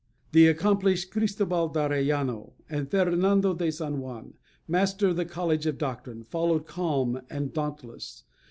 The accomplished Cristobal D'Arellano, and Fernando de San Juan, Master of the College of Doctrine, followed calm and dauntless.